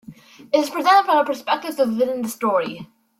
It is presented from the perspective of within the story.